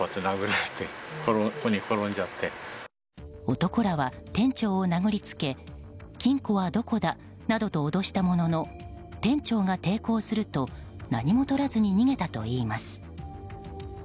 男らは店長を殴りつけ金庫はどこだなどと脅したものの店長が抵抗すると何もとらずに逃げたといいます。